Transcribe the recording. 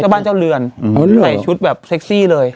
บ้านเจ้าเรือนใส่ชุดแบบเซ็กซี่เลย